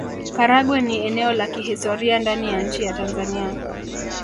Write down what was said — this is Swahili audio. Karagwe ni eneo la kihistoria ndani ya nchi ya Tanzania